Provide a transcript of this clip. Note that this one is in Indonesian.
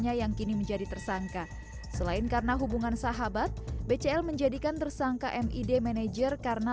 yang kini menjadi tersangka selain karena hubungan sahabat bcl menjadikan tersangka mid manajer karena